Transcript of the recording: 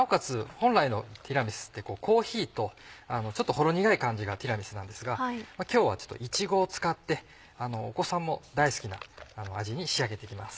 本来のティラミスってコーヒーとちょっとほろ苦い感じがティラミスなんですが今日はちょっといちごを使ってお子さんも大好きな味に仕上げて行きます。